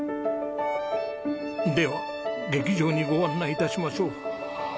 では劇場にご案内致しましょう。